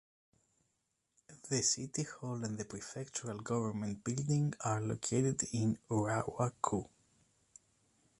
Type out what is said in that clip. The city hall and the prefectural government building are located in Urawa-ku.